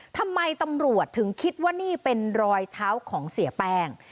ทำไมตำรวจถึงคิดว่านี่เป็นรอยเท้าของเสียแป้ง